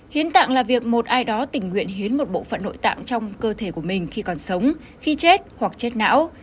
hiến tạng là việc một ai đó tình nguyện hiến một bộ phận nội tạng trong cơ thể của mình khi còn sống khi chết hoặc chết não